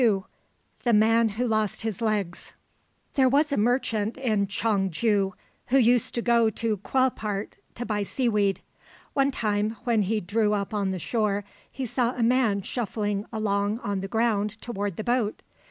XXII THE MAN WHO LOST HIS LEGS There was a merchant in Chong ju who used to go to Quelpart to buy seaweed. One time when he drew up on the shore he saw a man shuffling along on the ground toward the boat.